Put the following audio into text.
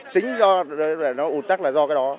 chính do nó ủ tắc là do cái đó